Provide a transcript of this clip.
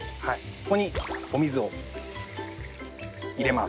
ここにお水を入れます。